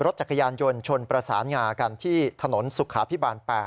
รถจักรยานยนต์ชนประสานงากันที่ถนนสุขาพิบาล๘